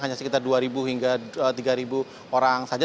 hanya sekitar dua hingga tiga orang saja